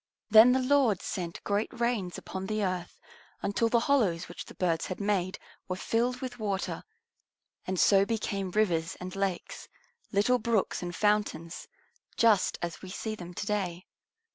Then the Lord sent great rains upon the earth until the hollows which the birds had made were filled with water, and so became rivers and lakes, little brooks and fountains, just as we see them to day.